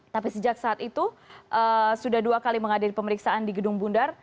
tapi sejak saat itu sudah dua kali menghadiri pemeriksaan di gedung bundar